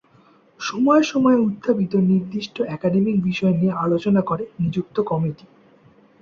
সময়ে সময়ে উত্থাপিত নির্দিষ্ট একাডেমিক বিষয় নিয়ে আলোচনা করে নিযুক্ত কমিটি।